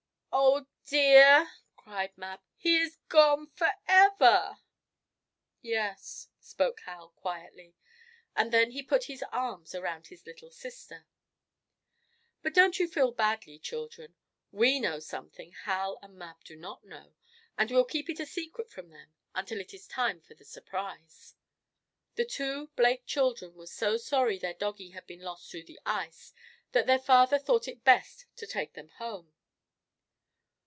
"Oh dear" cried Mab. "He is gone forever!" "Yes," spoke Hal, quietly, and then he put his arms around his little sister. But don't you feel badly, children. We know something Hal and Mab do not know, and we'll keep it a secret from them until it is time for the surprise. The two Blake children were so sorry their doggie had been lost through the ice, that their father thought it best to take them home.